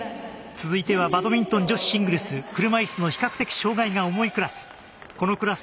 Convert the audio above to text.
続いてはバドミントン女子シングルス車いすの比較的障がいが重いクラス。